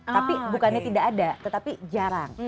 tapi bukannya tidak ada tetapi jarang